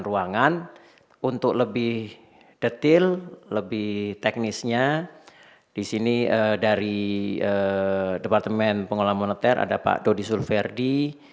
ruangan untuk lebih detail lebih teknisnya disini dari departemen pengelola moneter ada pak dodi sulverdi